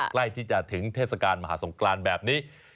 ใกล้ที่จะถึงเทศกาลมหาสงกรานแบบนี้